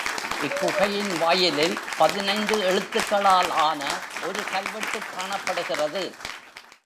இக்குகையின் வாயிலில் பதினைந்து எழுத்துக்களால் ஆன ஒரு கல்வெட்டுக் காணப்படுகிறது.